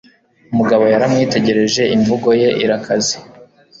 Mugabo yaramwitegereje, imvugo ye irakaze.